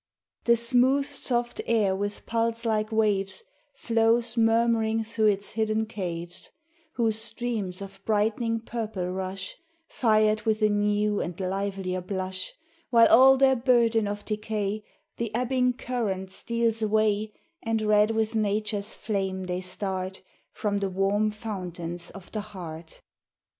The smooth, soft air with pulse like waves Flows murmuring through its hidden caves, Whose streams of brightening purple rush, Fired with a new and livelier blush, While all their burden of decay The ebbing current steals away, And red with Nature's flame they start From the warm fountains of the heart.